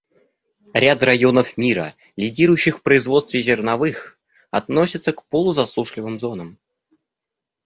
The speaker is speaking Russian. Ряд районов мира, лидирующих в производстве зерновых, относятся к полузасушливым зонам.